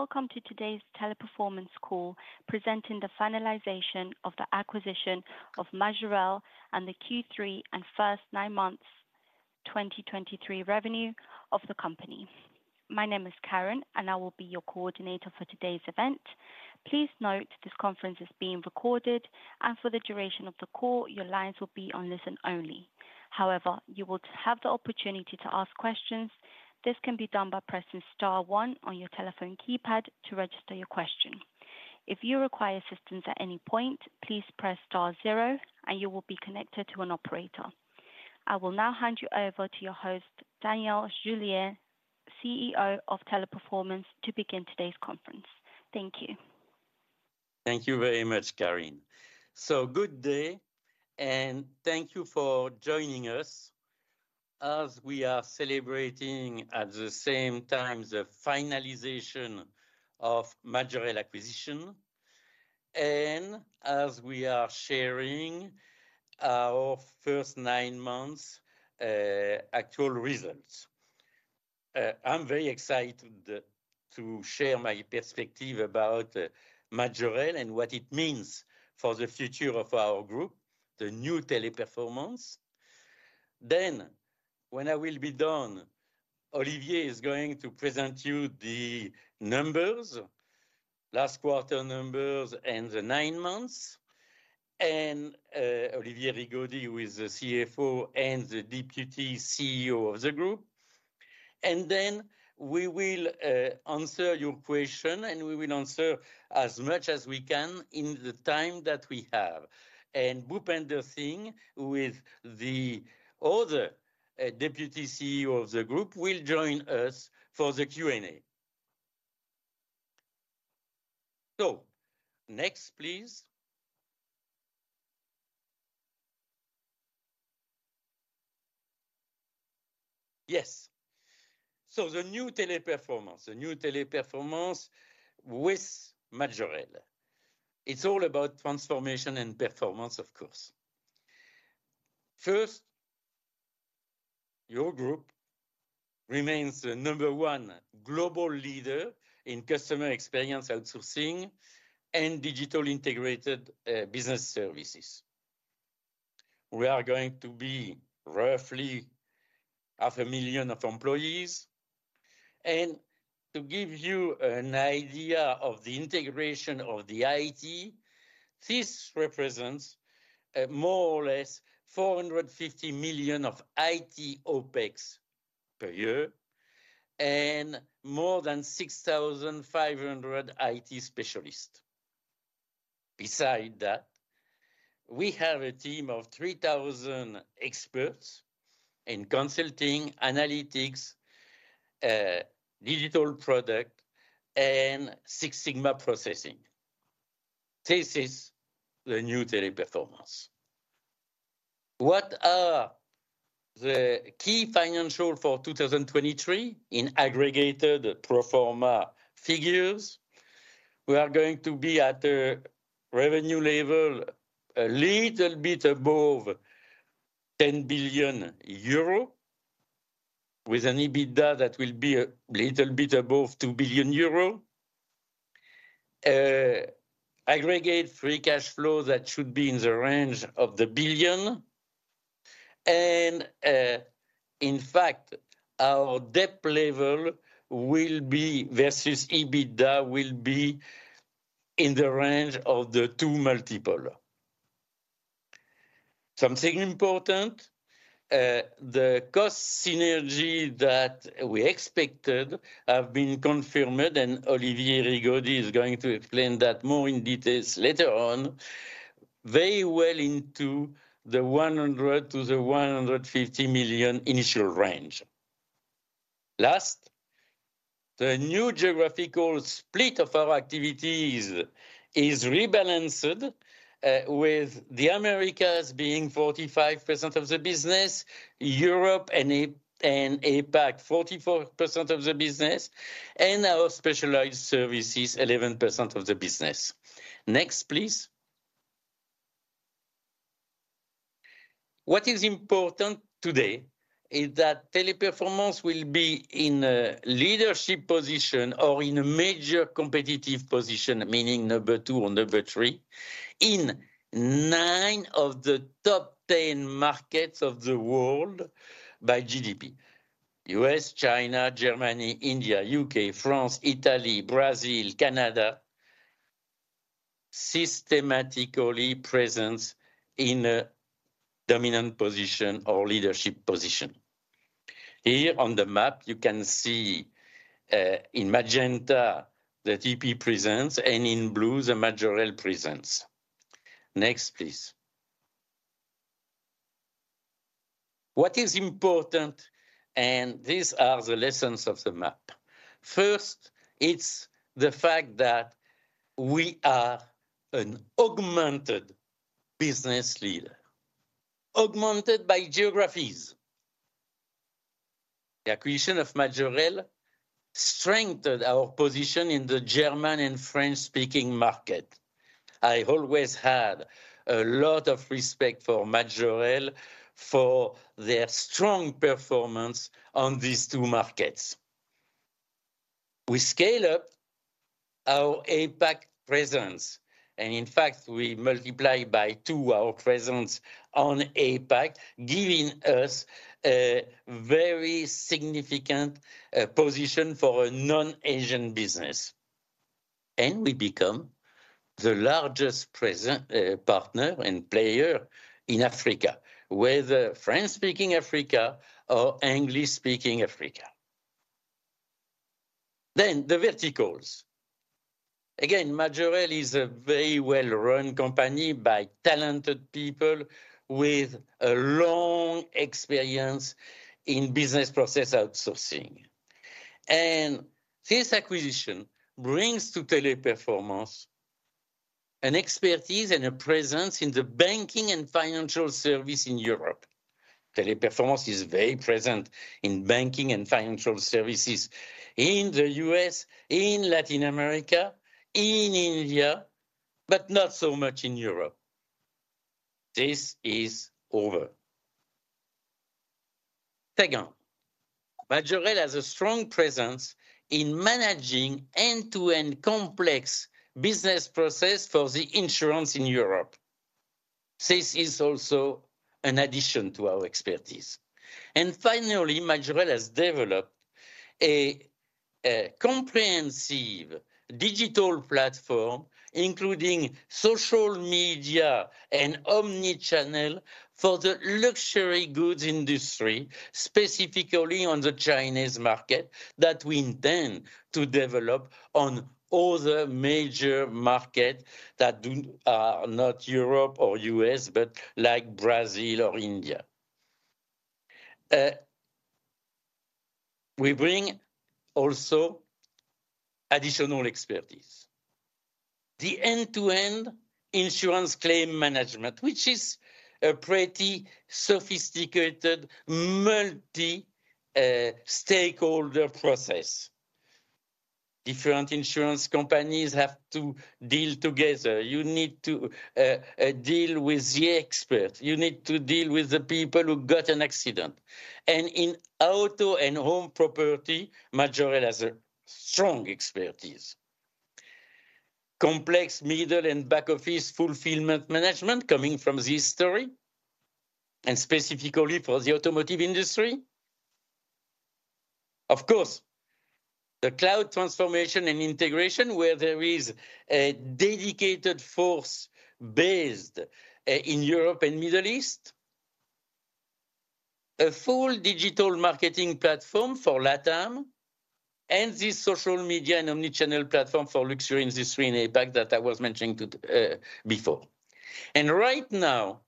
Welcome to today's Teleperformance call, presenting the finalization of the acquisition of Majorel and the Q3 and first nine months 2023 revenue of the company. My name is Karen, and I will be your coordinator for today's event. Please note, this conference is being recorded, and for the duration of the call, your lines will be on listen only. However, you will have the opportunity to ask questions. This can be done by pressing star one on your telephone keypad to register your question. If you require assistance at any point, please press star zero and you will be connected to an operator. I will now hand you over to your host, Daniel Julien, CEO of Teleperformance, to begin today's conference. Thank you. Thank you very much, Karen. So good day, and thank you for joining us as we are celebrating at the same time the finalization of Majorel acquisition and as we are sharing our first nine months actual results. I'm very excited to share my perspective about Majorel and what it means for the future of our group, the new Teleperformance. Then when I will be done, Olivier is going to present you the numbers, last quarter numbers and the nine months, and Olivier Rigaudy, who is the CFO and Deputy CEO of the group. And then we will answer your question, and we will answer as much as we can in the time that we have. And Bhupender Singh, who is the other Deputy CEO of the group, will join us for the Q&A. So next, please. Yes. So the new Teleperformance. The new Teleperformance with Majorel. It's all about transformation and performance, of course. First, your group remains the number one global leader in customer experience outsourcing and digital integrated business services. We are going to be roughly 500,000 employees. To give you an idea of the integration of the IT, this represents more or less 450 million of IT OpEx per year, and more than 6,500 IT specialists. Besides that, we have a team of 3,000 experts in consulting, analytics, digital product, and Six Sigma processing. This is the new Teleperformance. What are the key financials for 2023 in aggregated pro forma figures? We are going to be at a revenue level a little bit above 10 billion euro, with an EBITDA that will be a little bit above 2 billion euro. Aggregate free cash flow that should be in the range of 1 billion. And, in fact, our debt level will be, versus EBITDA, in the range of 2x. Something important, the cost synergy that we expected have been confirmed, and Olivier Rigaudy is going to explain that more in details later on, very well into the 100 million-150 million initial range. Last, the new geographical split of our activities is rebalanced, with the Americas being 45% of the business, Europe and Africa and APAC 44% of the business, and our specialized services 11% of the business. Next, please. What is important today is that Teleperformance will be in a leadership position or in a major competitive position, meaning number two or number three, in nine of the top ten markets of the world by GDP: U.S., China, Germany, India, U.K., France, Italy, Brazil, Canada. Systematic presence in a dominant position or leadership position. Here on the map you can see, in magenta, the TP presence, and in blue, the Majorel presence. Next, please. What is important, and these are the lessons of the map: First, it's the fact that we are an augmented business leader, augmented by geographies. The acquisition of Majorel strengthened our position in the German and French-speaking market.... I always had a lot of respect for Majorel for their strong performance on these two markets. We scale up our APAC presence, and in fact, we multiply by two our presence on APAC, giving us a very significant position for a non-Asian business. And we become the largest presence partner and player in Africa, whether French-speaking Africa or English-speaking Africa. Then the verticals. Again, Majorel is a very well-run company by talented people with a long experience in business process outsourcing. And this acquisition brings to Teleperformance an expertise and a presence in the banking and financial service in Europe. Teleperformance is very present in banking and financial services in the U.S., in Latin America, in India, but not so much in Europe. This is over. Second, Majorel has a strong presence in managing end-to-end complex business process for the insurance in Europe. This is also an addition to our expertise. And finally, Majorel has developed a comprehensive digital platform, including social media and omnichannel for the luxury goods industry, specifically on the Chinese market, that we intend to develop on other major market that do not Europe or U.S., but like Brazil or India. We bring also additional expertise. The end-to-end insurance claim management, which is a pretty sophisticated multi stakeholder process. Different insurance companies have to deal together. You need to deal with the expert, you need to deal with the people who got an accident. And in auto and home property, Majorel has a strong expertise. Complex middle and back office fulfillment management coming from this story, and specifically for the automotive industry. Of course, the cloud transformation and integration, where there is a dedicated force based in Europe and Middle East. A full digital marketing platform for LATAM, and this social media and omnichannel platform for luxury industry in APAC that I was mentioning to- before. And right now,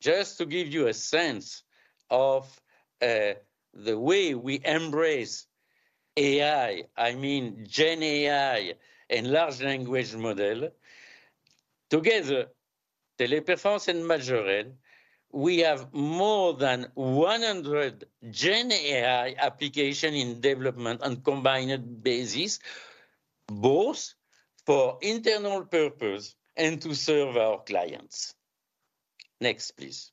just to give you a sense of, the way we embrace AI, I mean Gen AI and large language model, together, Teleperformance and Majorel, we have more than 100 Gen AI application in development on combined basis, both for internal purpose and to serve our clients. Next, please.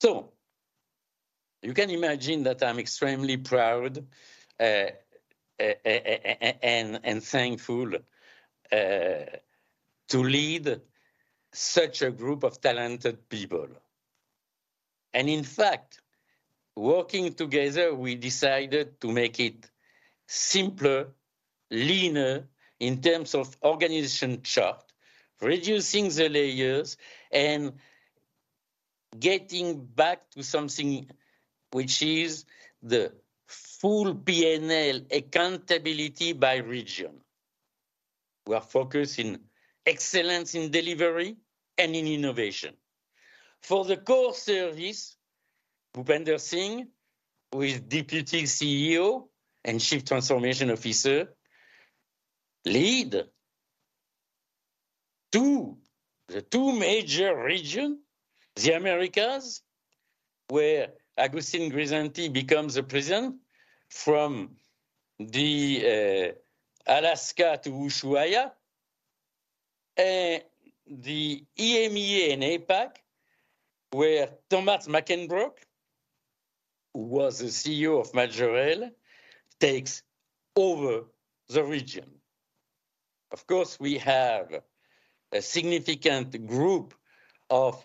So you can imagine that I'm extremely proud, and thankful, to lead such a group of talented people. And in fact, working together, we decided to make it simpler, leaner in terms of organization chart, reducing the layers and getting back to something which is the full P&L accountability by region. We are focused in excellence in delivery and in innovation. For the core services, Bhupender Singh, who is Deputy CEO and Chief Transformation Officer, leads the two major regions, the Americas, where Agustin Grisanti becomes the president from Alaska to Ushuaia, and the EMEA and APAC, where Thomas Mackenbrock, who was the CEO of Majorel, takes over the region. Of course, we have a significant group of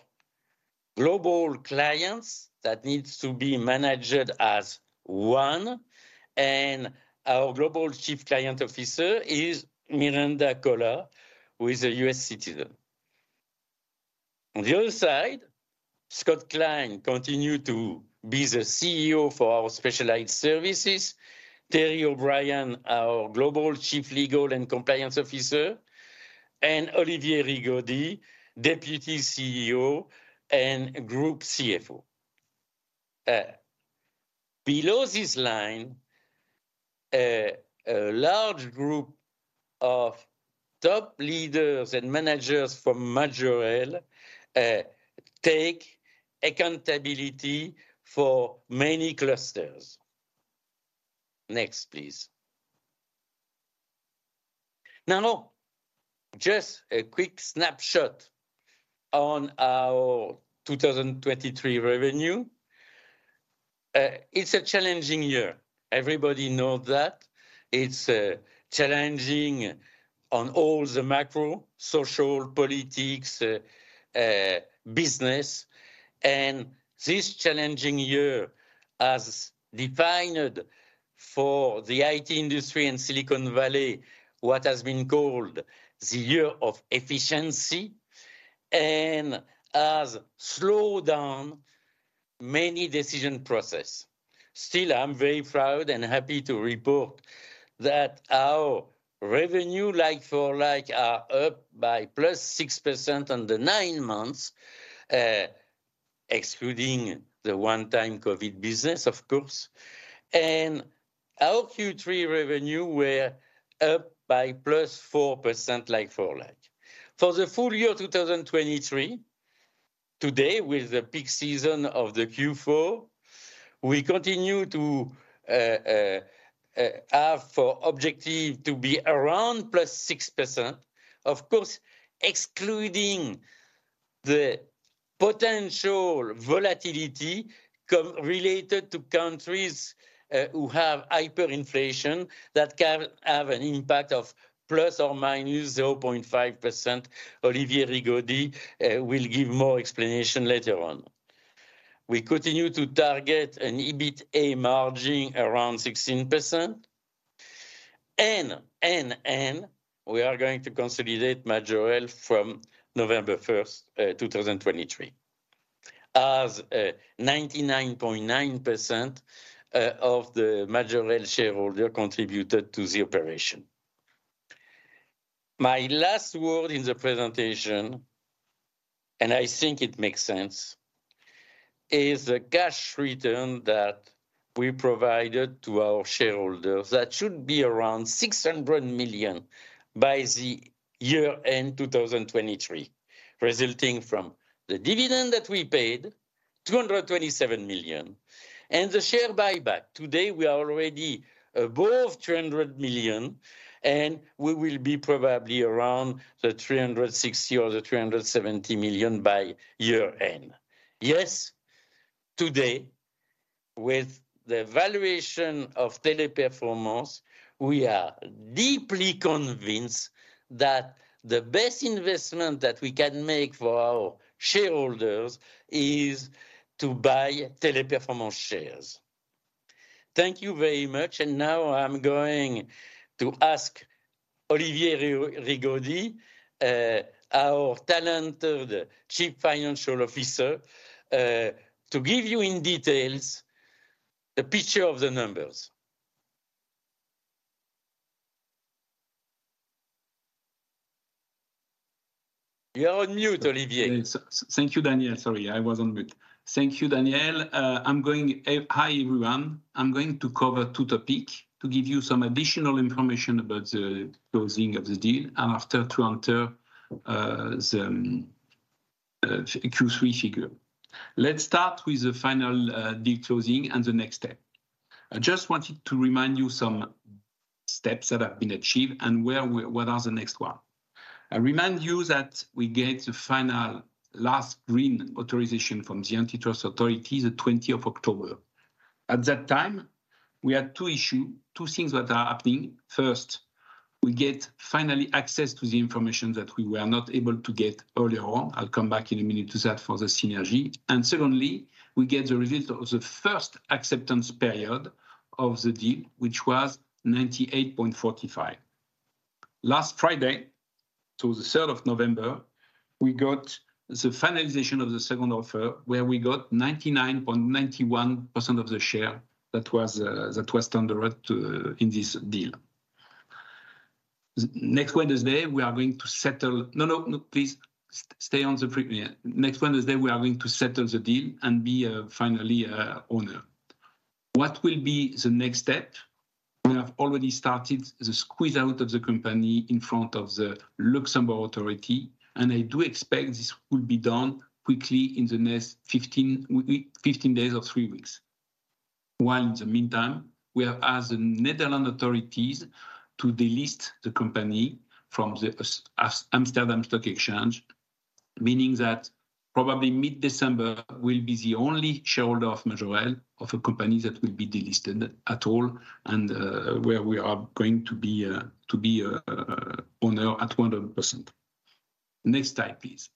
global clients that need to be managed as one, and our Global Chief Client Officer is Miranda Collard, who is a U.S. citizen. On the other side, Scott Klein continues to be the CEO for our specialized services, Teri O'Brien, our Global Chief Legal and Compliance Officer, and Olivier Rigaudy, Deputy CEO and Group CFO. Below this line, a large group of top leaders and managers from Majorel take accountability for many clusters. Next, please. Now, now, just a quick snapshot on our 2023 revenue. It's a challenging year. Everybody know that. It's challenging on all the macro: social, politics, business. And this challenging year has defined for the IT industry in Silicon Valley what has been called the year of efficiency, and has slowed down many decision process. Still, I'm very proud and happy to report that our revenue like-for-like are up by +6% on the nine months, excluding the one-time COVID business, of course, and our Q3 revenue were up by +4% like-for-like. For the full year 2023, today, with the peak season of the Q4, we continue to have for objective to be around +6%. Of course, excluding the potential volatility correlated to countries who have hyperinflation that can have an impact of ±0.5%. Olivier Rigaudy will give more explanation later on. We continue to target an EBITA margin around 16%, and we are going to consolidate Majorel from November 1, 2023, as 99.9% of the Majorel shareholder contributed to the operation. My last word in the presentation, and I think it makes sense, is the cash return that we provided to our shareholders. That should be around 600 million by the year-end 2023, resulting from the dividend that we paid, 227 million, and the share buyback. Today, we are already above 300 million, and we will be probably around the 360 million or the 370 million by year-end. Yes, today, with the valuation of Teleperformance, we are deeply convinced that the best investment that we can make for our shareholders is to buy Teleperformance shares. Thank you very much, and now I'm going to ask Olivier Rigaudy, our talented Chief Financial Officer, to give you in details the picture of the numbers. You are on mute, Olivier. Yes. Thank you, Daniel. Sorry, I was on mute. Thank you, Daniel. Hi, everyone. I'm going to cover two topic to give you some additional information about the closing of the deal, and after to enter the Q3 figure. Let's start with the final deal closing and the next step. I just wanted to remind you some steps that have been achieved and where we- what are the next one. I remind you that we get the final, last green authorization from the Antitrust Authority, the twentieth of October. At that time, we had two issue, two things that are happening. First, we get finally access to the information that we were not able to get earlier on. I'll come back in a minute to that for the synergy. And secondly, we get the result of the first acceptance period of the deal, which was 98.45%. Last Friday, so the third of November, we got the finalization of the second offer, where we got 99.91% of the share that was that was underwrite to in this deal. Next Wednesday, we are going to settle. No, no, no, please, stay on the previous. Next Wednesday, we are going to settle the deal and be finally owner. What will be the next step? We have already started the squeeze-out of the company in front of the Luxembourg authority, and I do expect this will be done quickly in the next 15 weeks, 15 days or three weeks. While in the meantime, we have asked the Netherlands authorities to delist the company from the Euronext Amsterdam Stock Exchange, meaning that probably mid-December we'll be the only shareholder of Majorel, of a company that will be delisted at all, and where we are going to be owner at 100%. Next slide, please.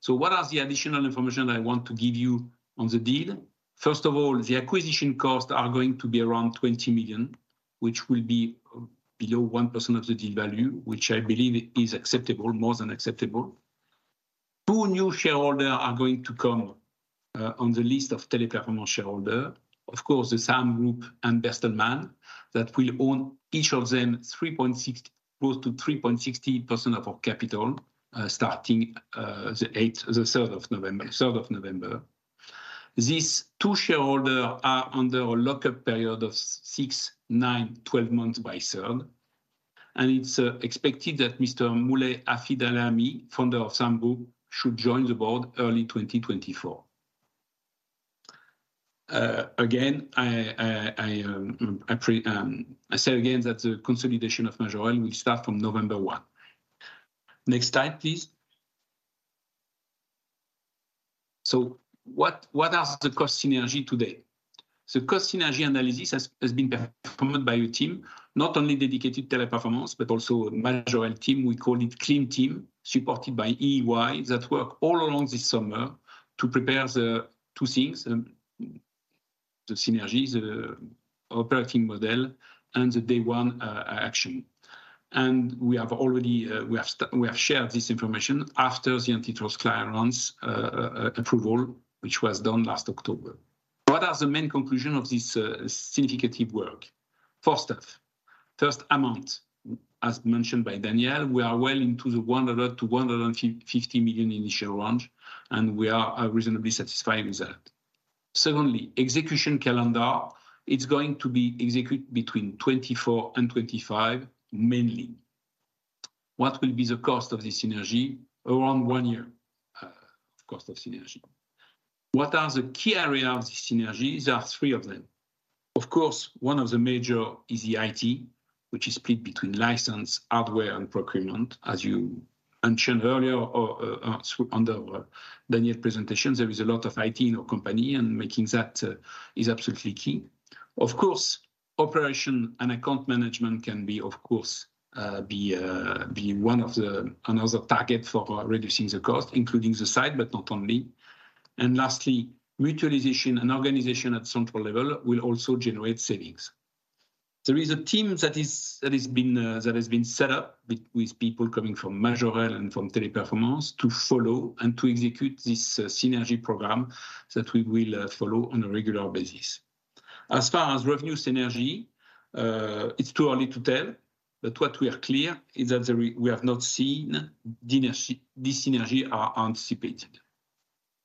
So what are the additional information I want to give you on the deal? First of all, the acquisition costs are going to be around 20 million, which will be below 1% of the deal value, which I believe is acceptable, more than acceptable. Two new shareholder are going to come on the list of Teleperformance shareholder. Of course, the Saham Group and Bertelsmann, that will own each of them 3.6%-close to 3.60% of our capital, starting the third of November, third of November. These two shareholders are under a lock-up period of six, nine, twelve months by third, and it's expected that Mr. Moulay Hafid Elalamy, founder of Saham Group, should join the board early 2024. Again, I say again, that the consolidation of Majorel will start from November 1. Next slide, please. So what are the cost synergy today? So cost synergy analysis has been performed by your team, not only dedicated Teleperformance, but also Majorel team. We call it Clean Team, supported by EY, that work all along this summer to prepare the two things: the synergy, the operating model, and the day one action. And we have already, we have shared this information after the antitrust clearance approval, which was done last October. What are the main conclusion of this significant work? First off, first amount. As mentioned by Daniel, we are well into the 100 million-150 million initial range, and we are reasonably satisfied with that. Secondly, execution calendar, it's going to be executed between 2024 and 2025, mainly. What will be the cost of this synergy? Around one year cost of synergy. What are the key areas of this synergy? There are three of them. Of course, one of the major is the IT, which is split between license, hardware, and procurement. As you mentioned earlier, on the Daniel presentation, there is a lot of IT in our company, and making that is absolutely key. Of course, operation and account management can be one of the—another target for reducing the cost, including the site, but not only. Lastly, mutualization and organization at central level will also generate savings. There is a team that has been set up with people coming from Majorel and from Teleperformance to follow and to execute this synergy program that we will follow on a regular basis. As far as revenue synergy, it's too early to tell, but what we are clear is that we have not seen the synergy, the synergy are anticipated.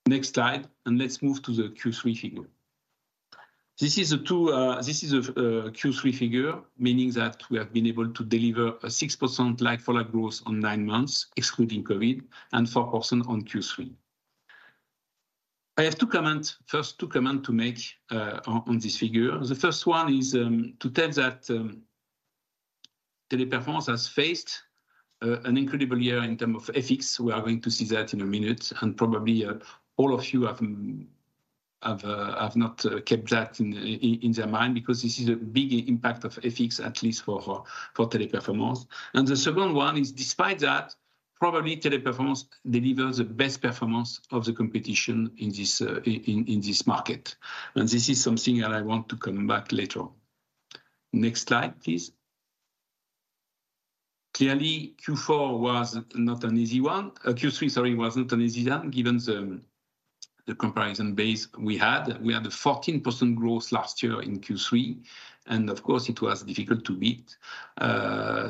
Next slide, and let's move to the Q3 figure. This is a Q3 figure, meaning that we have been able to deliver a 6% like-for-like growth on nine months, excluding COVID, and 4% on Q3. I have two comments, first two comment to make, on this figure. The first one is to tell that Teleperformance has faced an incredible year in term of FX. We are going to see that in a minute, and probably all of you have not kept that in their mind, because this is a big impact of FX, at least for Teleperformance. And the second one is, despite that, probably Teleperformance delivers the best performance of the competition in this market, and this is something that I want to come back later on. Next slide, please. Clearly, Q4 was not an easy one. Q3, sorry, wasn't an easy one, given the comparison base we had. We had a 14% growth last year in Q3, and of course, it was difficult to beat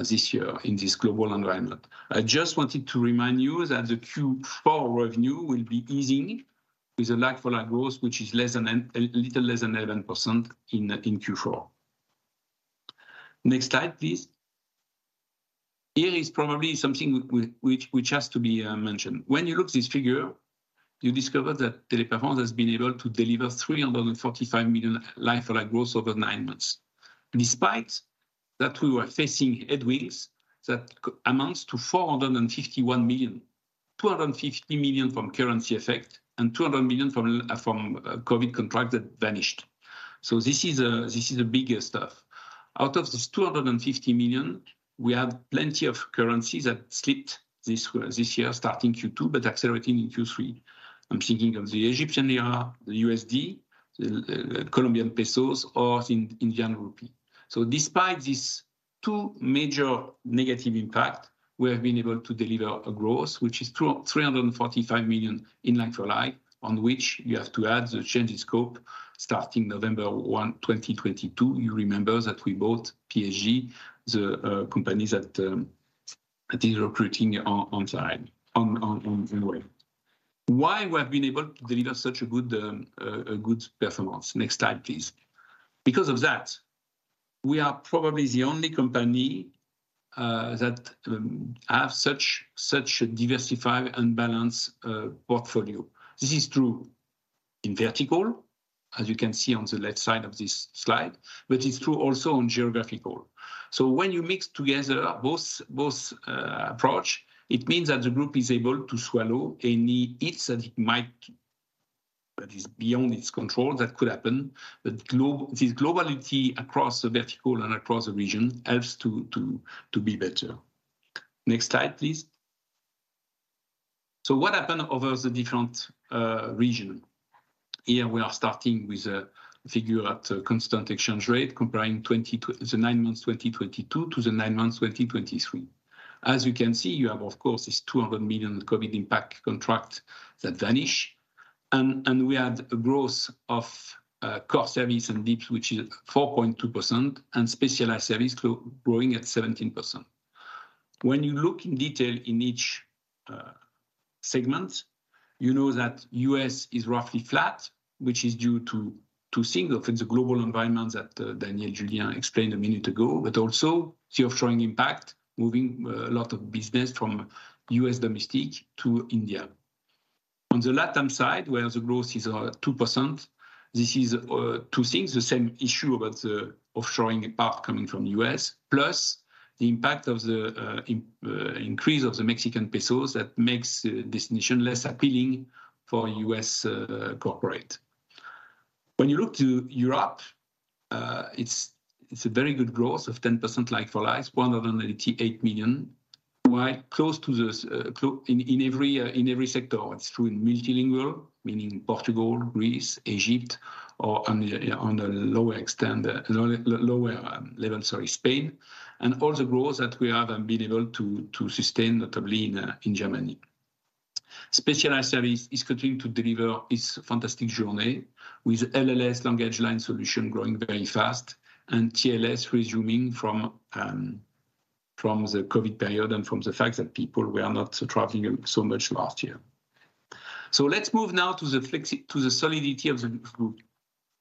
this year in this global environment. I just wanted to remind you that the Q4 revenue will be easing with a like-for-like growth, which is a little less than 11% in Q4. Next slide, please. Here is probably something which has to be mentioned. When you look this figure, you discover that Teleperformance has been able to deliver 345 million like-for-like growth over nine months. Despite that, we were facing headwinds that amounts to 451 million, 250 million from currency effect and 200 million from COVID contract that vanished. So this is the biggest stuff. Out of this 250 million, we have plenty of currencies that slipped this year, this year, starting Q2, but accelerating in Q3. I'm thinking of the Egyptian lira, the USD, the Colombian pesos, or Indian rupee. So despite these two major negative impact, we have been able to deliver a growth, which is 345 million in like-for-like, on which you have to add the change in scope starting November 1, 2022. You remember that we bought PSG, the company that is recruiting on site, on the way. Why we have been able to deliver such a good performance? Next slide, please. Because of that, we are probably the only company that have such a diversified and balanced portfolio. This is true in vertical, as you can see on the left side of this slide, but it's true also on geographical. So when you mix together both approach, it means that the group is able to swallow any hits that it might that is beyond its control, that could happen. But this globality across the vertical and across the region helps to be better. Next slide, please. So what happened over the different region? Here we are starting with a figure at a constant exchange rate, comparing the nine months 2022 to the nine months 2023. As you can see, you have, of course, this 200 million COVID impact contract that vanish, and we had a growth of core service and D.I.B.S., which is 4.2%, and specialized service growing at 17%. When you look in detail in each segment, you know that U.S. is roughly flat, which is due to two things: the global environment that Daniel Julien explained a minute ago, but also the offshoring impact, moving a lot of business from U.S. domestic to India. On the LATAM side, where the growth is 2%, this is two things: the same issue about the offshoring part coming from U.S., plus the impact of the increase of the Mexican peso that makes this nation less appealing for U.S. corporate. When you look to Europe, it's a very good growth of 10% like-for-like, 188 million, quite close in every sector. It's true in multilingual, meaning Portugal, Greece, Egypt, or on a lower extent, lower level, sorry, Spain, and all the growth that we have been able to sustain, notably in Germany. Specialized Services is continuing to deliver its fantastic journey with LLS, LanguageLine Solutions, growing very fast and TLS resuming from, from the COVID period and from the fact that people were not traveling so much last year. So let's move now to the flexi- to the solidity of the group.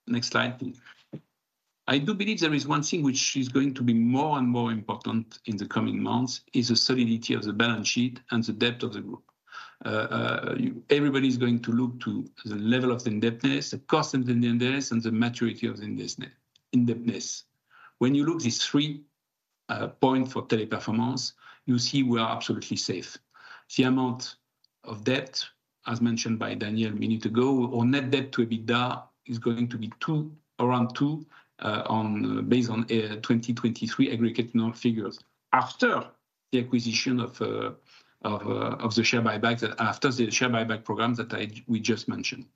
Next slide, please. I do believe there is one thing which is going to be more and more important in the coming months, is the solidity of the balance sheet and the depth of the group. Everybody is going to look to the level of the indebtedness, the cost of the indebtedness, and the maturity of the indebtedness. When you look these three point for Teleperformance, you see we are absolutely safe. The amount of debt, as mentioned by Daniel a minute ago, our net debt to EBITDA is going to be around two, based on 2023 aggregate non-IFRS figures after the acquisition and the share buyback program that we just mentioned.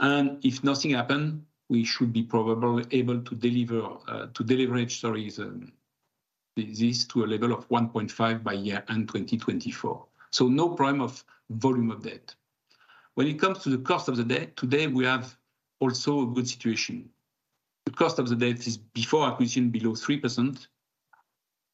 If nothing happen, we should be probably able to deliver this to a level of 1.5 by year-end 2024. So no problem of volume of debt. When it comes to the cost of the debt, today, we have also a good situation. The cost of the debt is, before acquisition, below 3%,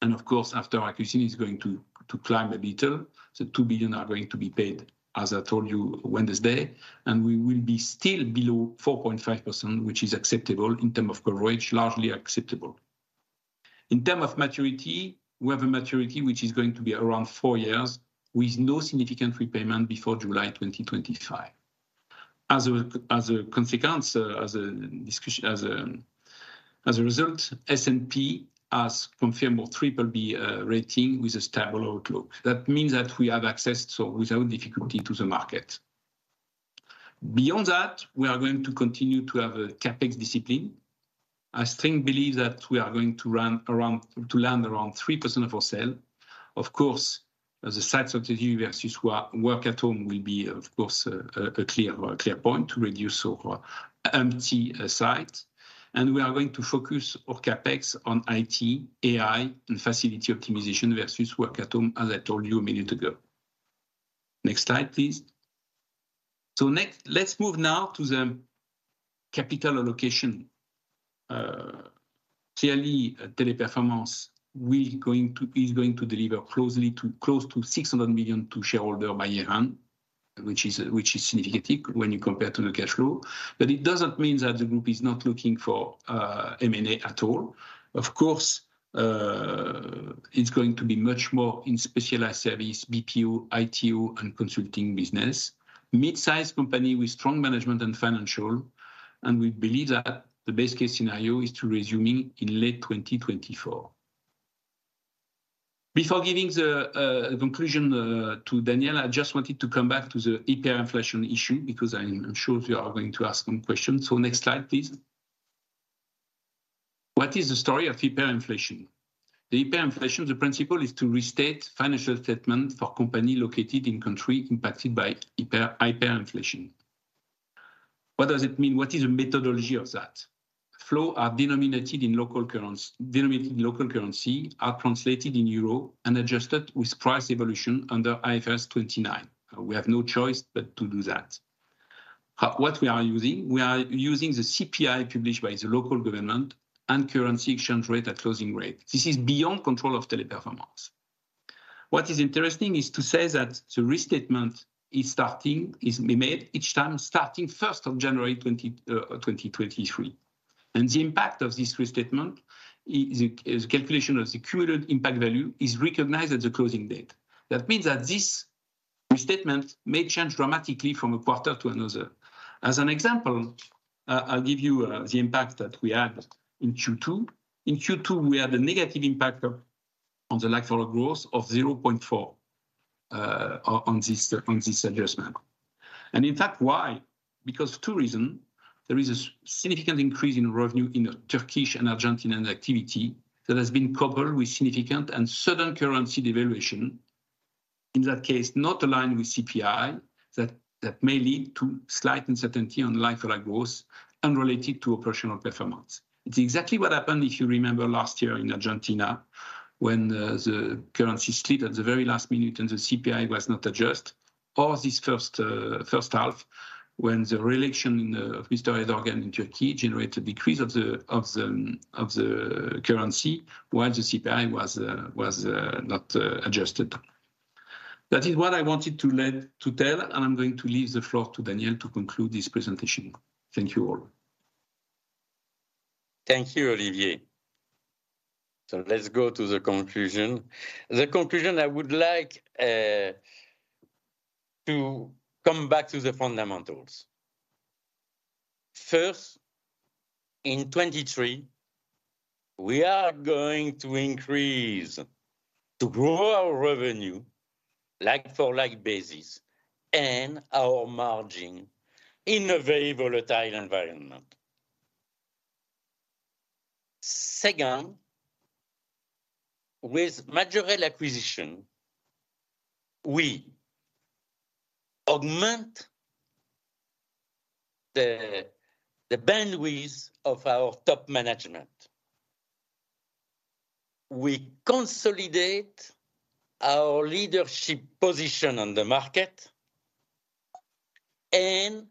and of course, after acquisition, is going to climb a little. The 2 billion are going to be paid, as I told you, Wednesday, and we will be still below 4.5%, which is acceptable in term of coverage, largely acceptable. In term of maturity, we have a maturity which is going to be around four years, with no significant repayment before July 2025. As a consequence, as a result, S&P has confirmed our BBB rating with a stable outlook. That means that we have access, so without difficulty, to the market. Beyond that, we are going to continue to have a CapEx discipline. I strongly believe that we are going to run around to land around 3% of our sale. Of course, the sites of the university who are work at home will be, of course, a clear point to reduce our empty sites. And we are going to focus our CapEx on IT, AI, and facility optimization versus work at home, as I told you a minute ago. Next slide, please. So next, let's move now to the capital allocation. Clearly, Teleperformance is going to deliver close to 600 million to shareholder by year-end, which is significant when you compare to the cash flow. But it doesn't mean that the group is not looking for M&A at all. Of course, it's going to be much more in specialized service, BPO, ITO, and consulting business. Mid-sized company with strong management and financial, and we believe that the best case scenario is to resuming in late 2024. Before giving the conclusion to Daniel, I just wanted to come back to the hyperinflation issue, because I'm sure you are going to ask some questions. So next slide, please. What is the story of hyperinflation? The hyperinflation, the principle is to restate financial statement for company located in country impacted by hyperinflation. What does it mean? What is the methodology of that? Flows are denominated in local currency, are translated in euro and adjusted with price evolution under IFRS 29. We have no choice but to do that. We are using the CPI published by the local government and currency exchange rate at closing rate. This is beyond control of Teleperformance. What is interesting is to say that the restatement is starting, is made each time starting first of January 2023. And the impact of this restatement is, is calculation of the current impact value is recognized at the closing date. That means that this restatement may change dramatically from a quarter to another. As an example, I'll give you the impact that we had in Q2. In Q2, we had a negative impact of on the like-for-like growth of 0.4 on this adjustment. And in fact, why? Because two reason: there is a significant increase in revenue in the Turkish and Argentinian activity that has been coupled with significant and sudden currency devaluation. In that case, not aligned with CPI, that may lead to slight uncertainty on like-for-like growth unrelated to operational performance. It's exactly what happened, if you remember last year in Argentina, when the currency slid at the very last minute and the CPI was not adjusted... or this first half, when the re-election of Mr. Erdoğan in Turkey generated a decrease of the currency, while the CPI was not adjusted. That is what I wanted to let to tell, and I'm going to leave the floor to Daniel to conclude this presentation. Thank you all. Thank you, Olivier. So let's go to the conclusion. The conclusion, I would like to come back to the fundamentals. First, in 2023, we are going to increase, to grow our revenue like-for-like basis and our margin in a very volatile environment. Second, with Majorel acquisition, we augment the, the bandwidth of our top management. We consolidate our leadership position on the market, and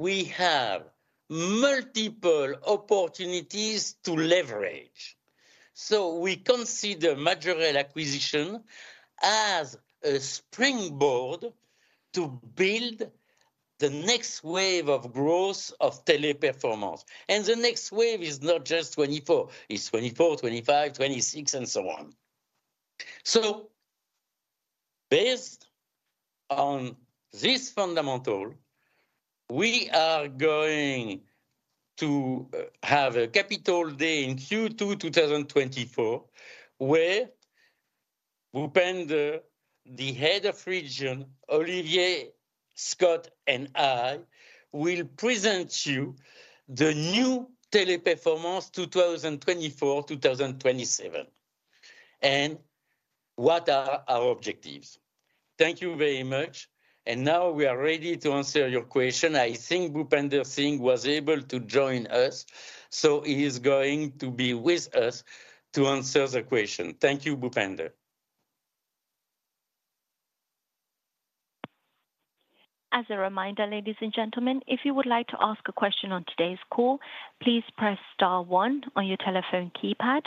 we have multiple opportunities to leverage. So we consider Majorel acquisition as a springboard to build the next wave of growth of Teleperformance. And the next wave is not just 2024, it's 2024, 2025, 2026, and so on. So based on this fundamental, we are going to have a Capital Day in Q2 2024, where Bhupender, the Head of Region, Olivier, Scott, and I will present you the new Teleperformance 2024-2027, and what are our objectives. Thank you very much, and now we are ready to answer your question. I think Bhupender Singh was able to join us, so he is going to be with us to answer the question. Thank you, Bhupender. As a reminder, ladies and gentlemen, if you would like to ask a question on today's call, please press star one on your telephone keypad.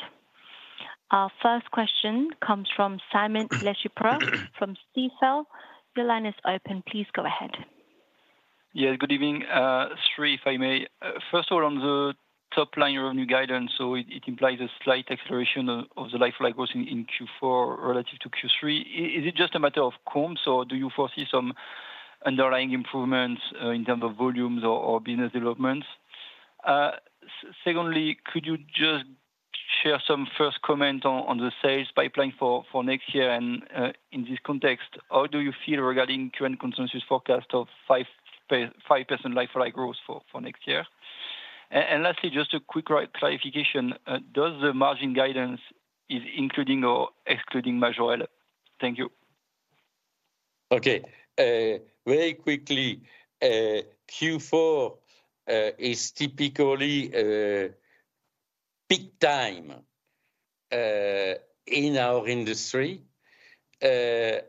Our first question comes from Simon Lechipre from Stifel. Your line is open. Please go ahead. Yeah, good evening. Three, if I may, first of all, on the top line, your revenue guidance, so it, it implies a slight acceleration of, of the like-for-like growth in, in Q4 relative to Q3. Is it just a matter of comps, or do you foresee some underlying improvements, in terms of volumes or, or business developments? Secondly, could you just share some first comment on, on the sales pipeline for, for next year? And, in this context, how do you feel regarding current consensus forecast of 5% like-for-like growth for, for next year? And lastly, just a quick clarification: does the margin guidance is including or excluding Majorel? Thank you. Okay, very quickly, Q4 is typically peak time in our industry. The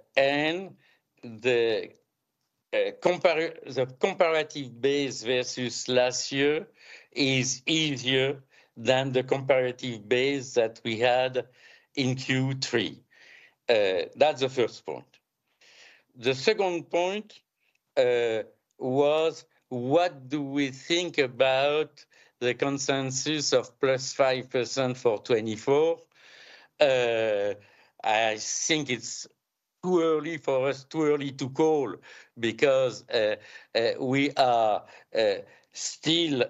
comparative base versus last year is easier than the comparative base that we had in Q3. That's the first point. The second point was: what do we think about the consensus of +5% for 2024? I think it's too early for us, too early to call because we are still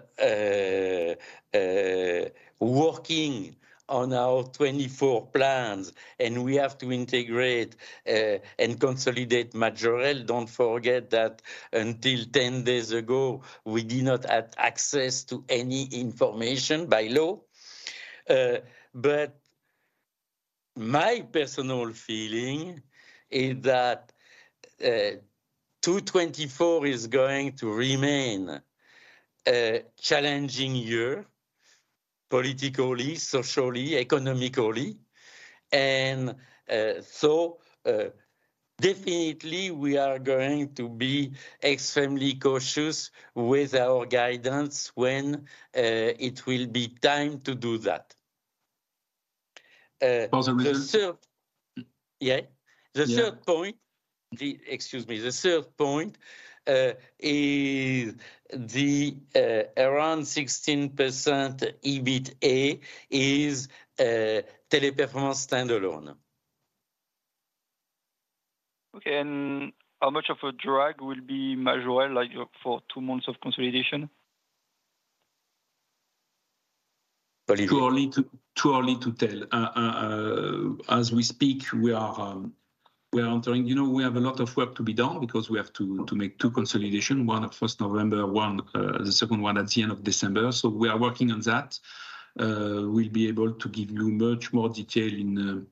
working on our 2024 plans, and we have to integrate and consolidate Majorel. Don't forget that until 10 days ago, we did not have access to any information by law. But my personal feeling is that 2024 is going to remain a challenging year politically, socially, economically. Definitely, we are going to be extremely cautious with our guidance when it will be time to do that. Also the- The third... Yeah? Yeah. The third point, excuse me. The third point is the around 16% EBITA is Teleperformance standalone. Okay, and how much of a drag will be Majorel, like, for two months of consolidation? Olivier? Too early to tell. As we speak, we are entering. You know, we have a lot of work to be done because we have to make two consolidation, one at first November, one the second one at the end of December. So we are working on that. We'll be able to give you much more detail in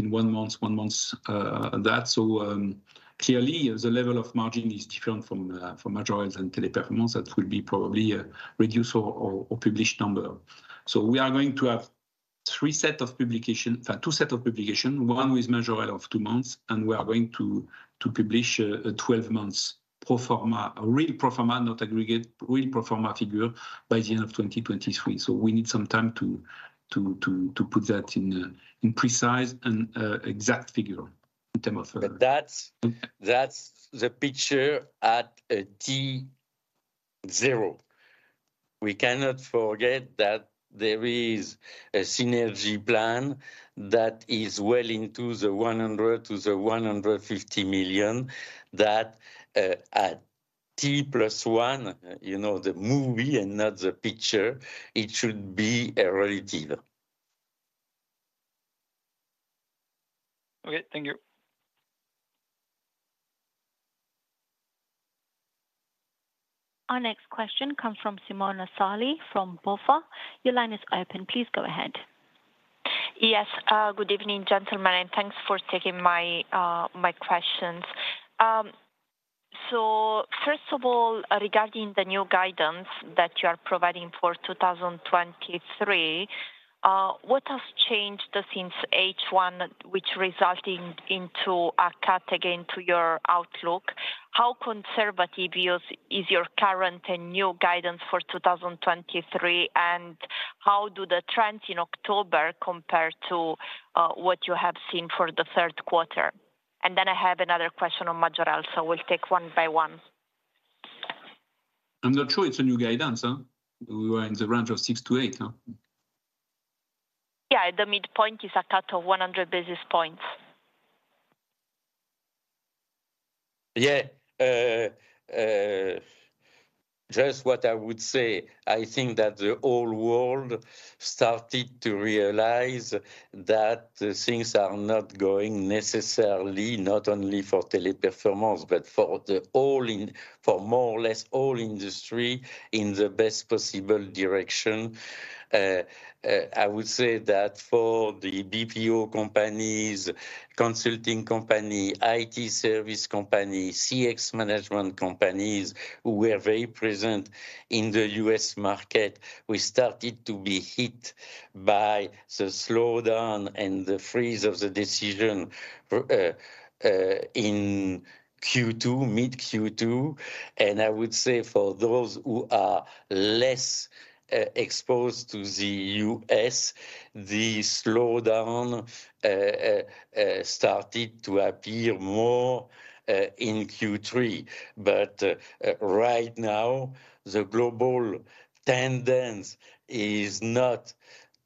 one month, one month that. So clearly, the level of margin is different from from Majorel and Teleperformance. That will be probably a reduced or or or published number. So we are going to have three sets of publications, two sets of publications, one with Majorel of two months, and we are going to, to publish a, a 12 months Pro Forma, a real Pro Forma, not aggregate, real Pro Forma figure by the end of 2023. So we need some time to, to, to, to put that in a, in precise and, exact figure in terms of- That's the picture at T zero. We cannot forget that there is a synergy plan that is well into the 100 million-150 million that at T plus one, you know, the movie and not the picture, it should be a reality. Okay, thank you. Our next question comes from Simona Sarli from BofA. Your line is open. Please go ahead. Yes, good evening, gentlemen, and thanks for taking my, my questions. So first of all, regarding the new guidance that you are providing for 2023, what has changed since H1, which resulting into a cut again to your outlook? How conservative is, is your current and new guidance for 2023, and how do the trends in October compare to, what you have seen for the third quarter? And then I have another question on Majorel, so we'll take one by one. I'm not sure it's a new guidance. We were in the range of 6-8. Yeah, the midpoint is a cut of 100 basis points. Yeah, just what I would say, I think that the whole world started to realize that things are not going necessarily, not only for Teleperformance, but for the all in- for more or less all industry in the best possible direction. I would say that for the BPO companies, consulting company, IT service company, CX management companies who were very present in the U.S. market, we started to be hit by the slowdown and the freeze of the decision for, in Q2, mid-Q2. And I would say for those who are less, exposed to the U.S., the slowdown, started to appear more, in Q3. But, right now, the global trend is not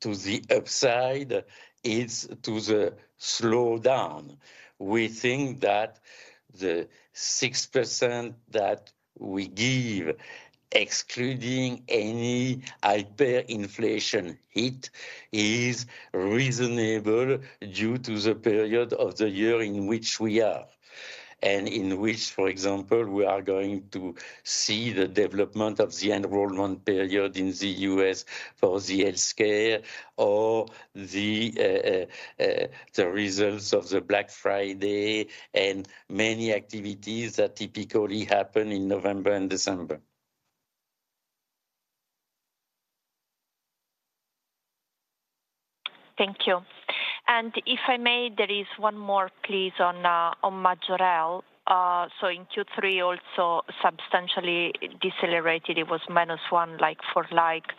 to the upside, it's to the slowdown. We think that the 6% that we give, excluding any hyperinflation hit, is reasonable due to the period of the year in which we are, and in which, for example, we are going to see the development of the enrollment period in the U.S. for the healthcare or the results of the Black Friday and many activities that typically happen in November and December. Thank you. If I may, there is one more, please, on Majorel. So in Q3, also substantially decelerated, it was -1 like-for-like,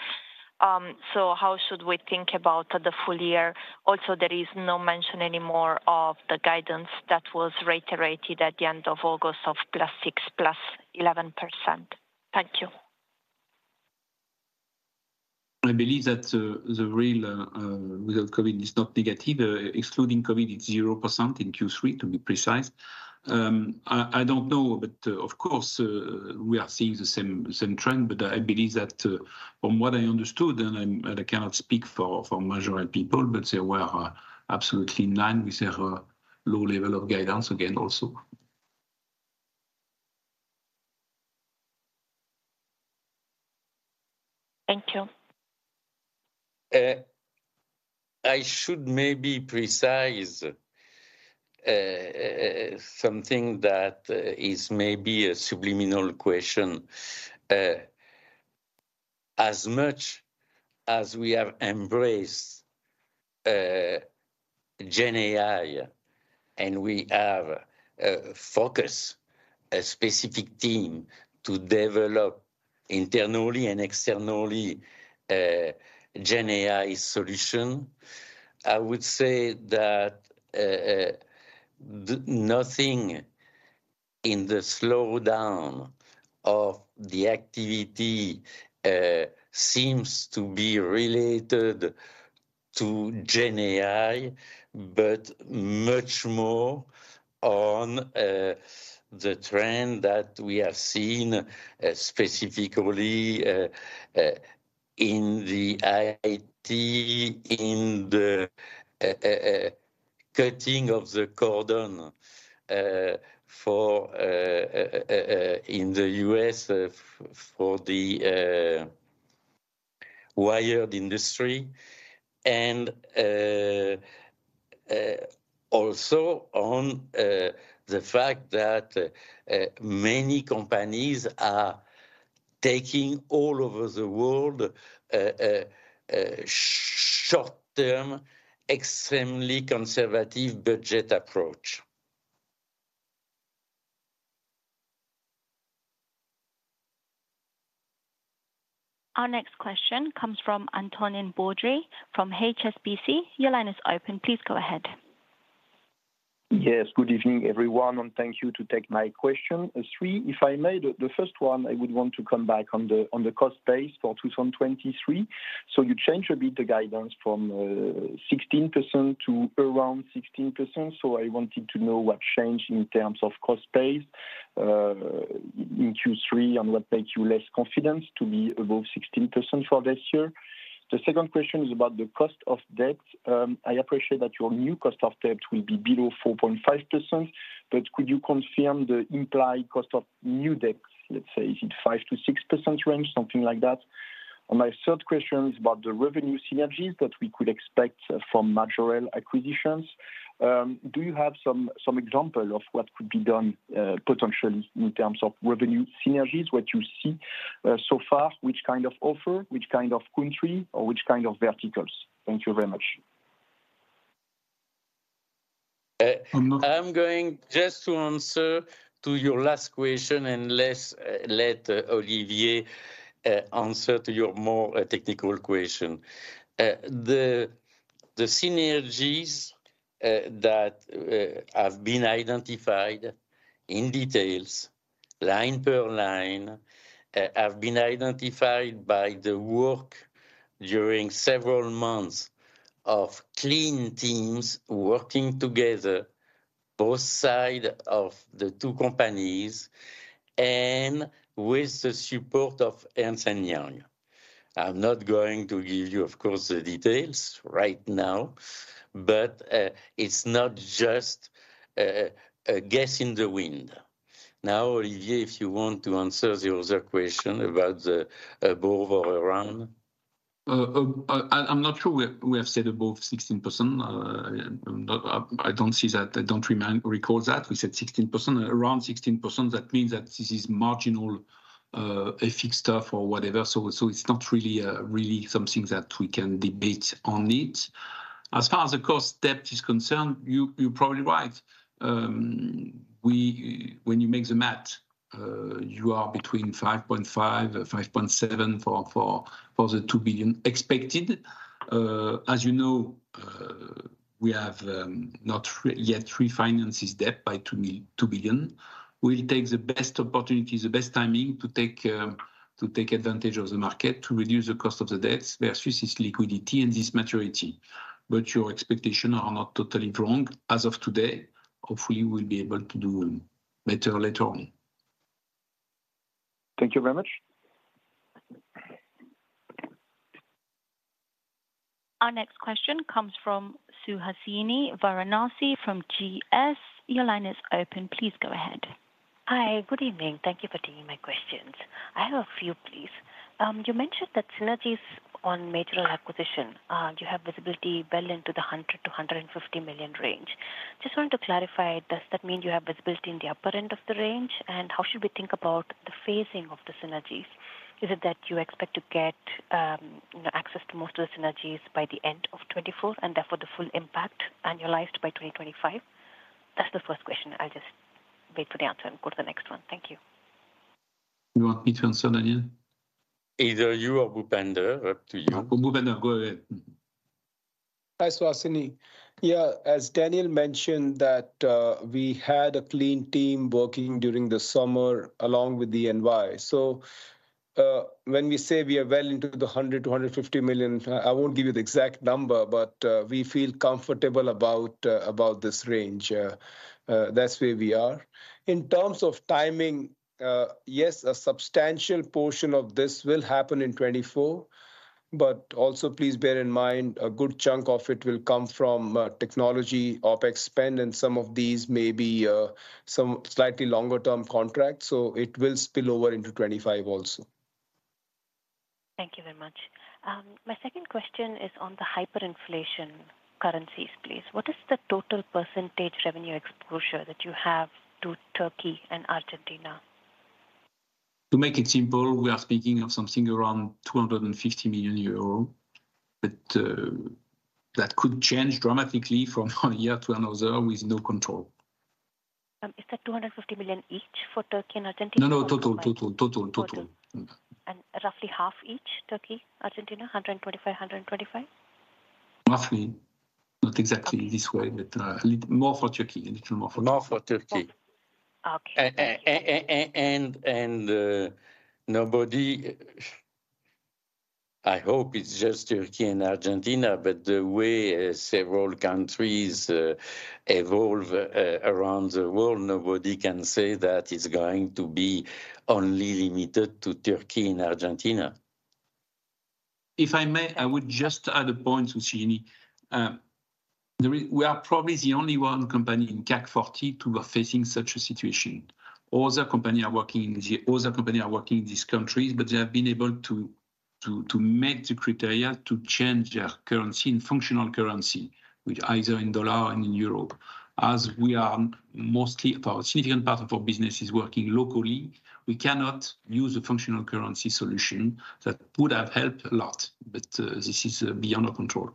so how should we think about the full year? Also, there is no mention anymore of the guidance that was reiterated at the end of August of +6, +11%. Thank you. I believe that the real without COVID is not negative. Excluding COVID, it's 0% in Q3, to be precise. I don't know, but of course we are seeing the same same trend, but I believe that from what I understood, and I'm—I cannot speak for for Majorel people, but they were absolutely in line with their low level of guidance again also. Thank you. I should maybe precise something that is maybe a subliminal question. As much as we have embraced GenAI, and we have focused a specific team to develop internally and externally GenAI solution, I would say that nothing in the slowdown of the activity seems to be related to GenAI, but much more on the trend that we have seen specifically in the IT, in the cutting of the cordon for in the US for the wired industry. And also on the fact that many companies are taking all over the world short-term, extremely conservative budget approach. Our next question comes from Antonin Baudry from HSBC. Your line is open. Please go ahead. Yes, good evening, everyone, and thank you to take my question. Three, if I may, the first one, I would want to come back on the cost base for 2023. So you changed a bit the guidance from 16% to around 16%, so I wanted to know what changed in terms of cost base in Q3, and what makes you less confident to be above 16% for this year? The second question is about the cost of debt. I appreciate that your new cost of debt will be below 4.5%, but could you confirm the implied cost of new debt? Let's say, is it 5%-6% range, something like that? And my third question is about the revenue synergies that we could expect from Majorel acquisitions. Do you have some, some example of what could be done, potentially in terms of revenue synergies, what you see, so far? Which kind of offer, which kind of country, or which kind of verticals? Thank you very much. I'm going just to answer to your last question, and let's let Olivier answer to your more technical question. The synergies that have been identified in details, line per line, have been identified by the work during several months of clean teams working together, both side of the two companies and with the support of Ernst & Young. I'm not going to give you, of course, the details right now, but it's not just a guess in the wind. Now, Olivier, if you want to answer the other question about the above or around. I'm not sure we have said above 16%. I'm not. I don't see that. I don't recall that. We said 16%, around 16%. That means that this is marginal, FX stuff or whatever, so it's not really, really something that we can debate on it. As far as the cost debt is concerned, you're probably right. When you make the math, you are between 5.5, 5.7 for the 2 billion expected. As you know, we have not yet refinanced this debt by 2 billion. We'll take the best opportunity, the best timing to take advantage of the market to reduce the cost of the debts versus liquidity and this maturity. But your expectation are not totally wrong. As of today, hopefully we'll be able to do better later on. Thank you very much. Our next question comes from Suhasini Varanasi from GS. Your line is open. Please go ahead. Hi. Good evening. Thank you for taking my questions. I have a few, please. You mentioned that synergies on Majorel acquisition, you have visibility well into the 100 million-150 million range. Just want to clarify, does that mean you have visibility in the upper end of the range? And how should we think about the phasing of the synergies? Is it that you expect to get, you know, access to most of the synergies by the end of 2024, and therefore, the full impact annualised by 2025? That's the first question. I'll just wait for the answer and go to the next one. Thank you. You want me to answer, Daniel? Either you or Bhupender, up to you. Bhupender, go ahead. Hi, Suhasini. Yeah, as Daniel mentioned, that we had a clean team working during the summer, along with the EY. So, when we say we are well into the 100 million-150 million, I won't give you the exact number, but we feel comfortable about this range. That's where we are. In terms of timing, yes, a substantial portion of this will happen in 2024, but also, please bear in mind, a good chunk of it will come from technology, OpEx spend, and some of these may be some slightly longer term contracts, so it will spill over into 2025 also. Thank you very much. My second question is on the hyperinflation currencies, please. What is the total percentage revenue exposure that you have to Turkey and Argentina? To make it simple, we are speaking of something around 250 million euro, but that could change dramatically from one year to another with no control. Is that 250 million each for Turkey and Argentina? No, no, total, total, total, total. Roughly half each, Turkey, Argentina, 125, 125? Roughly. Not exactly this way, but more for Turkey, a little more for Turkey. More for Turkey. Okay. Nobody... I hope it's just Turkey and Argentina, but the way several countries evolve around the world, nobody can say that it's going to be only limited to Turkey and Argentina. If I may, I would just add a point, Suhasini. We are probably the only one company in CAC 40 to be facing such a situation. Other companies are working in these countries, but they have been able to meet the criteria to change their currency and functional currency with either in dollar and in euro. As a significant part of our business is working locally, we cannot use a functional currency solution. That would have helped a lot, but this is beyond our control.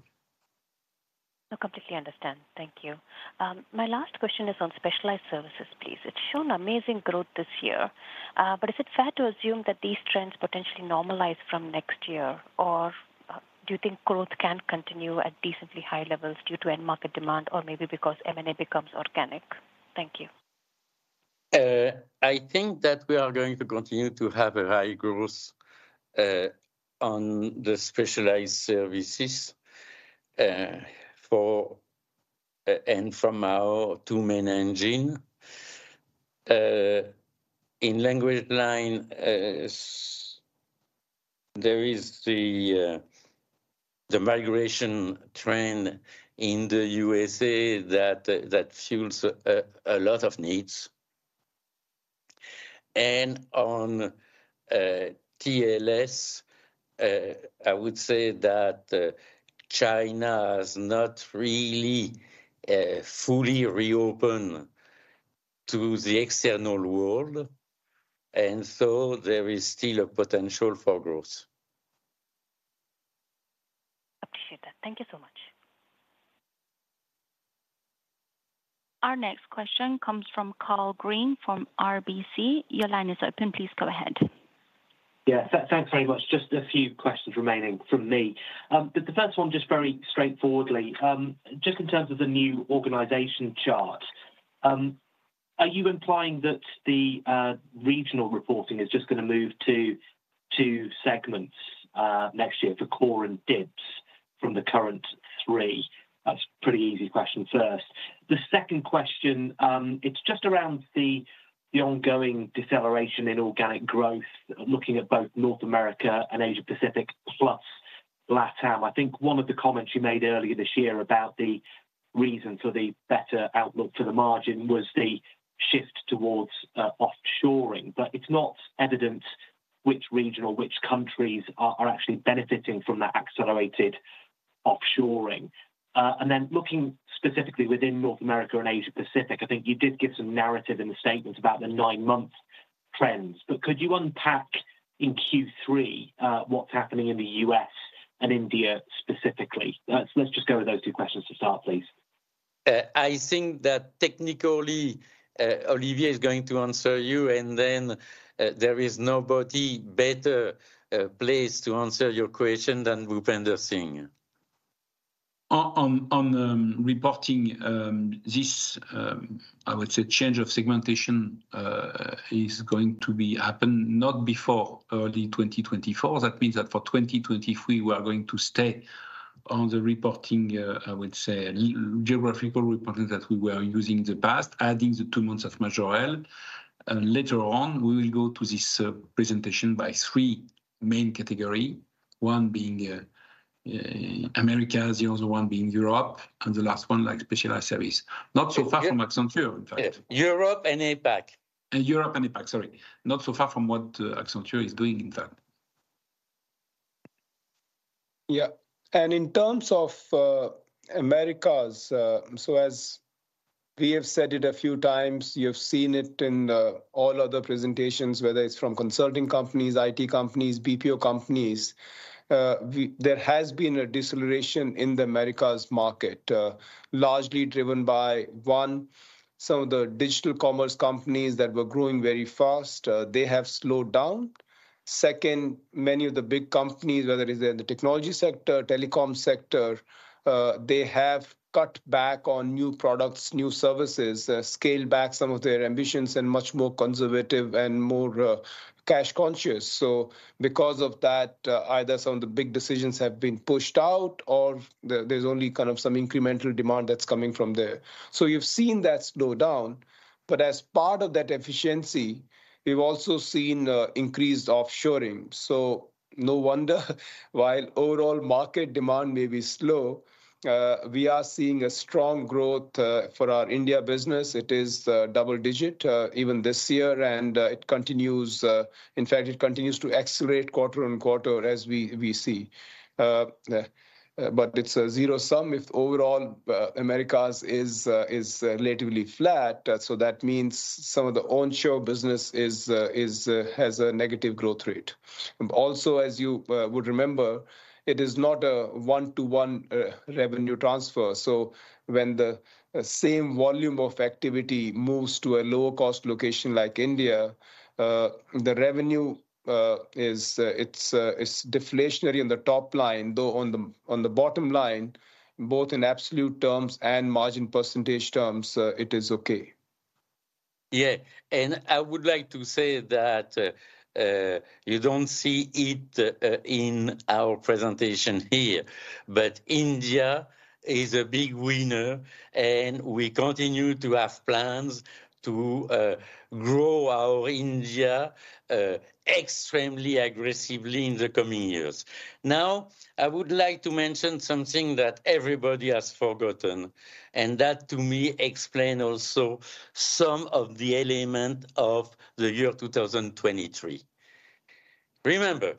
I completely understand. Thank you. My last question is on specialized services, please. It's shown amazing growth this year, but is it fair to assume that these trends potentially normalize from next year? Or, do you think growth can continue at decently high levels due to end market demand, or maybe because M&A becomes organic? Thank you. I think that we are going to continue to have a high growth on the specialized services for and from our two main engine. In LanguageLine, there is the migration trend in the USA that fuels a lot of needs. And on TLS, I would say that China has not really fully reopened to the external world, and so there is still a potential for growth. Appreciate that. Thank you so much. Our next question comes from Karl Green, from RBC. Your line is open. Please go ahead. Yeah, thanks very much. Just a few questions remaining from me. But the first one, just very straightforwardly, just in terms of the new organization chart, are you implying that the regional reporting is just gonna move to two segments, next year for core and D.I.B.S. from the current three? That's a pretty easy question first. The second question, it's just around the ongoing deceleration in organic growth, looking at both North America and Asia Pacific, plus LATAM. I think one of the comments you made earlier this year about the reason for the better outlook for the margin was the shift towards offshoring. But it's not evident which region or which countries are actually benefiting from that accelerated offshoring. And then looking specifically within North America and Asia Pacific, I think you did give some narrative in the statements about the nine-month trends. But could you unpack in Q3 what's happening in the U.S. and India specifically? Let's, let's just go with those two questions to start, please. I think that technically, Olivier is going to answer you, and then, there is nobody better placed to answer your question than Bhupender Singh. On reporting this, I would say, change of segmentation is going to be happen not before early 2024. That means that for 2023, we are going to stay on the reporting, I would say geographical reporting that we were using in the past, adding the two months of Majorel. Later on, we will go to this presentation by three main category, one being Americas, the other one being Europe, and the last one, like, specialized service. Not so far from Accenture, in fact. Europe and APAC. Europe and APAC, sorry. Not so far from what Accenture is doing, in fact. Yeah. And in terms of Americas, so as we have said it a few times, you've seen it in all other presentations, whether it's from consulting companies, IT companies, BPO companies, there has been a deceleration in the Americas market, largely driven by one, some of the digital commerce companies that were growing very fast, they have slowed down. Second, many of the big companies, whether it's in the technology sector, telecom sector, they have cut back on new products, new services, scaled back some of their ambitions and much more conservative and more cash conscious. So because of that, either some of the big decisions have been pushed out or there's only kind of some incremental demand that's coming from there. So you've seen that slow down. But as part of that efficiency, we've also seen increased offshoring. So no wonder while overall market demand may be slow, we are seeing a strong growth for our India business. It is double digit even this year, and it continues... In fact, it continues to accelerate quarter-on-quarter as we see. But it's a zero sum if overall Americas is relatively flat, so that means some of the onshore business has a negative growth rate. Also, as you would remember, it is not a one-to-one revenue transfer. So when the same volume of activity moves to a lower cost location like India, the revenue is, it's, it's deflationary on the top line, though on the bottom line, both in absolute terms and margin percentage terms, it is okay. Yeah, and I would like to say that, you don't see it, in our presentation here, but India is a big winner, and we continue to have plans to, grow our India, extremely aggressively in the coming years. Now, I would like to mention something that everybody has forgotten, and that to me explain also some of the element of the year 2023. Remember,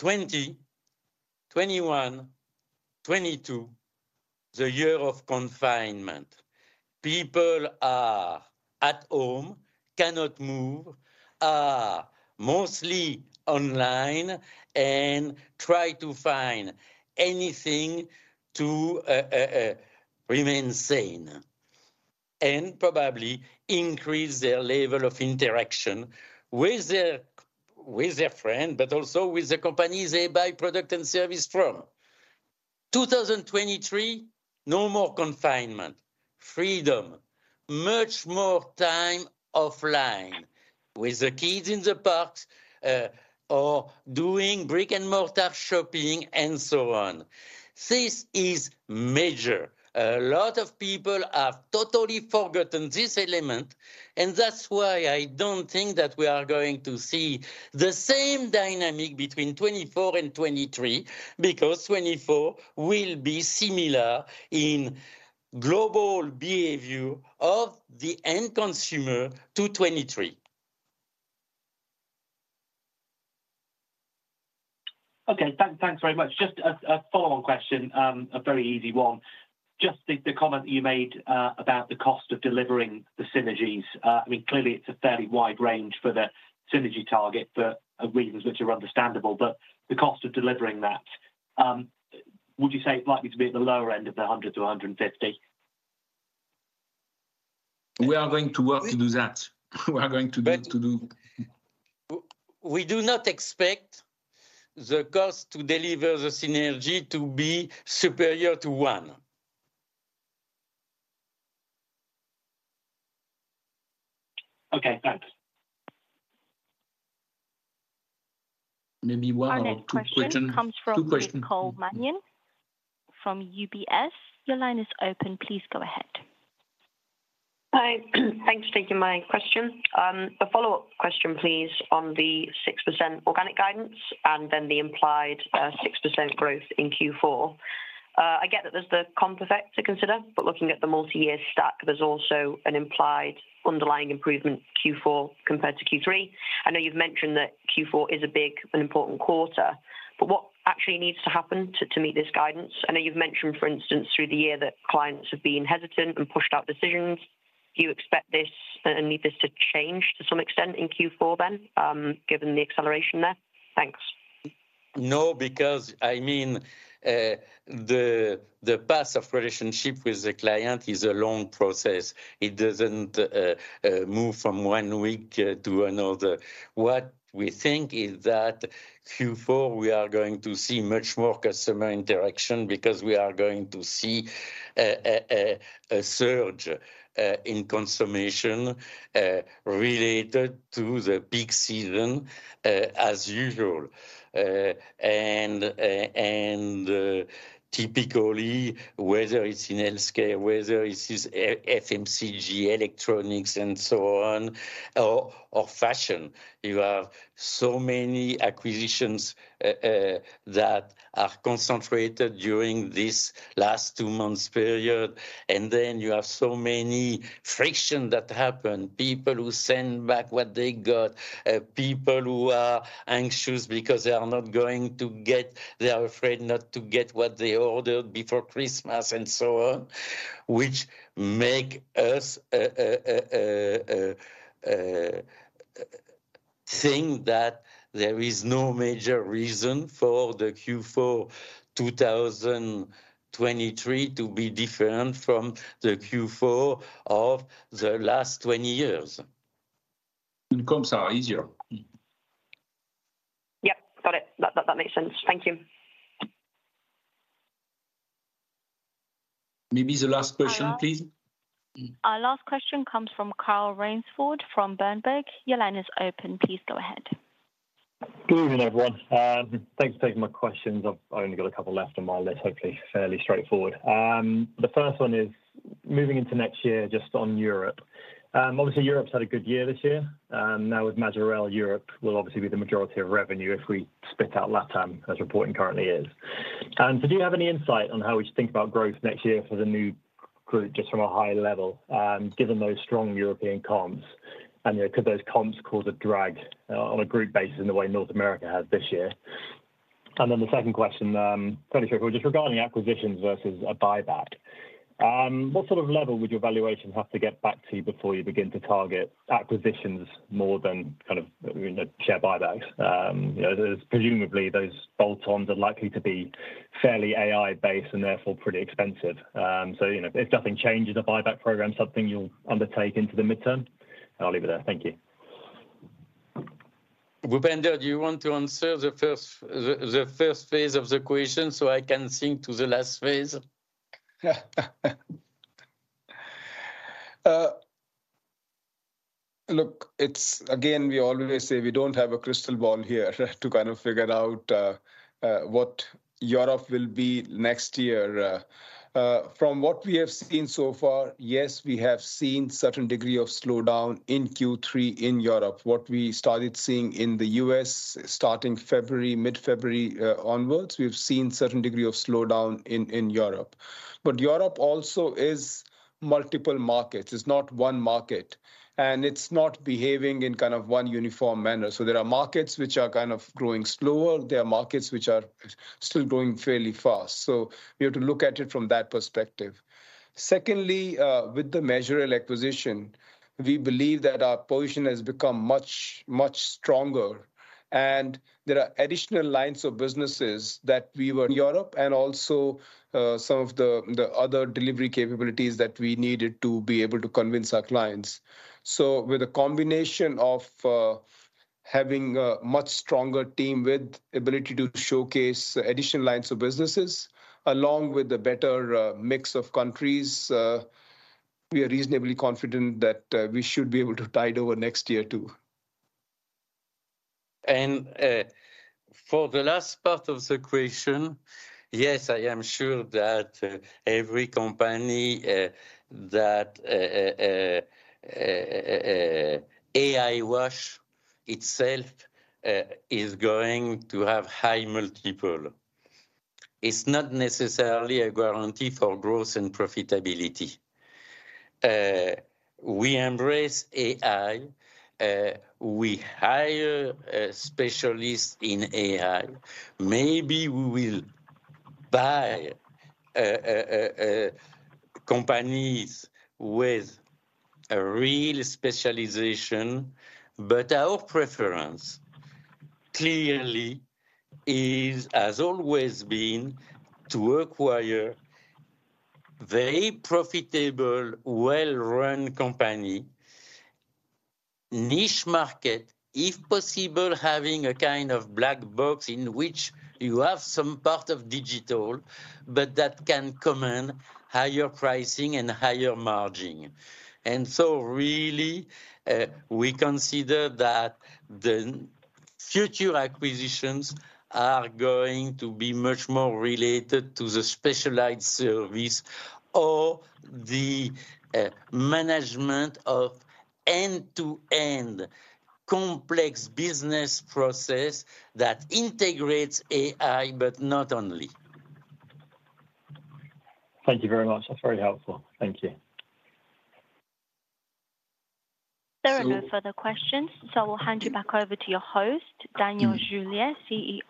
2021, 2022, the year of confinement. People are at home, cannot move, are mostly online, and try to find anything to, remain sane and probably increase their level of interaction with their, with their friend, but also with the companies they buy product and service from. 2023, no more confinement, freedom, much more time offline with the kids in the parks, or doing brick-and-mortar shopping, and so on. This is major. A lot of people have totally forgotten this element, and that's why I don't think that we are going to see the same dynamic between 2024 and 2023, because 2024 will be similar in global behavior of the end consumer to 2023. Okay, thanks very much. Just a follow-on question, a very easy one. Just the comment you made about the cost of delivering the synergies. I mean, clearly, it's a fairly wide range for the synergy target for reasons which are understandable, but the cost of delivering that, would you say it's likely to be at the lower end of the 100-150? We are going to work to do that. We do not expect the cost to deliver the synergy to be superior to one. Okay, thanks. Maybe one or two question- Our next question- Two questions Comes from Nicole Manion from UBS. Your line is open. Please go ahead. Hi. Thanks for taking my question. A follow-up question, please, on the 6% organic guidance and then the implied 6% growth in Q4. I get that there's the comp effect to consider, but looking at the multi-year stack, there's also an implied underlying improvement Q4 compared to Q3. I know you've mentioned that Q4 is a big and important quarter, but what actually needs to happen to meet this guidance? I know you've mentioned, for instance, through the year, that clients have been hesitant and pushed out decisions. Do you expect this and need this to change to some extent in Q4 then, given the acceleration there? Thanks. No, because, I mean, the path of relationship with the client is a long process. It doesn't move from one week to another. What we think is that Q4, we are going to see much more customer interaction because we are going to see a surge in consumption related to the peak season, as usual. And typically, whether it's in healthcare, whether it is a FMCG, electronics, and so on, or fashion, you have so many acquisitions that are concentrated during this last two months period, and then you have so many friction that happened. People who send back what they got, people who are anxious because they are not going to get. They are afraid not to get what they ordered before Christmas and so on, which make us think that there is no major reason for the Q4 2023 to be different from the Q4 of the last 20 years. And comps are easier. Yep, got it. That makes sense. Thank you. Maybe the last question, please. Our last question comes from Carl Raynsford from Berenberg. Your line is open. Please go ahead. Good evening, everyone. Thanks for taking my questions. I've only got a couple left on my list, hopefully, fairly straightforward. The first one is, moving into next year, just on Europe. Obviously, Europe's had a good year this year, and now with Majorel, Europe will obviously be the majority of revenue if we spit out Latam, as reporting currently is. So do you have any insight on how we should think about growth next year for the new group, just from a high level, given those strong European comps? And, you know, could those comps cause a drag on a group basis in the way North America has this year? And then the second question, fairly sure, just regarding the acquisitions versus a buyback. What sort of level would your valuations have to get back to before you begin to target acquisitions more than kind of, you know, share buybacks? You know, presumably those bolt-ons are likely to be fairly AI-based and therefore pretty expensive. So, you know, if nothing changes, a buyback program is something you'll undertake into the midterm. I'll leave it there. Thank you. Bhupender, do you want to answer the first phase of the question, so I can think to the last phase? Look, it's again, we always say we don't have a crystal ball here to kind of figure out what Europe will be next year. From what we have seen so far, yes, we have seen certain degree of slowdown in Q3 in Europe. What we started seeing in the U.S. starting February, mid-February, onwards, we've seen certain degree of slowdown in, in Europe. But Europe also is multiple markets. It's not one market, and it's not behaving in kind of one uniform manner. So there are markets which are kind of growing slower, there are markets which are still growing fairly fast. So we have to look at it from that perspective. Secondly, with the Majorel acquisition, we believe that our position has become much, much stronger, and there are additional lines of businesses that we were in Europe and also some of the other delivery capabilities that we needed to be able to convince our clients. So with a combination of having a much stronger team with ability to showcase additional lines of businesses, along with a better mix of countries, we are reasonably confident that we should be able to tide over next year, too. For the last part of the question, yes, I am sure that every company that AI-washes itself is going to have high multiple. It's not necessarily a guarantee for growth and profitability. We embrace AI, we hire specialists in AI. Maybe we will buy companies with a real specialization, but our preference clearly is, has always been to acquire very profitable, well-run company, niche market, if possible, having a kind of black box in which you have some part of digital, but that can command higher pricing and higher margin. And so really, we consider that the future acquisitions are going to be much more related to the specialized service or the management of end-to-end complex business process that integrates AI, but not only. Thank you very much. That's very helpful. Thank you. There are no further questions, so I will hand you back over to your host, Daniel Julien, CEO,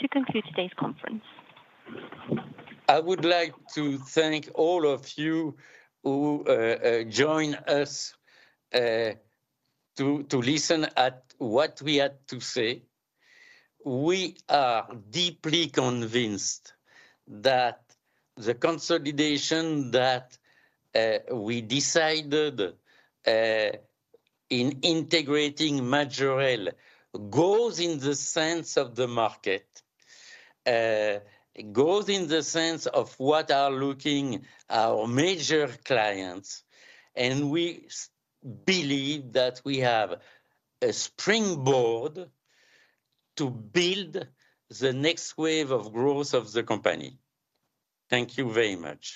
to conclude today's conference. I would like to thank all of you who joined us to listen at what we had to say. We are deeply convinced that the consolidation that we decided in integrating Majorel goes in the sense of the market, goes in the sense of what are looking our major clients, and we believe that we have a springboard to build the next wave of growth of the company. Thank you very much.